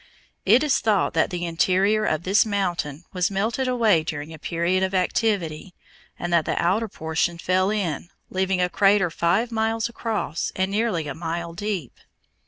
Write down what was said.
It is thought that the interior of this mountain was melted away during a period of activity, and that the outer portion fell in, leaving a crater five miles across and nearly a mile deep.